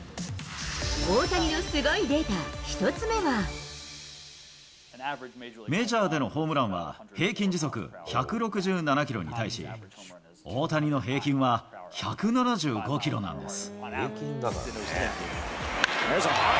大谷のすごいデータ、１つ目メジャーでのホームランは、平均時速１６７キロに対し、大谷の平均は１７５キロなんです。